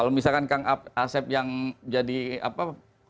kalau misalkan kang asep yang jadi apa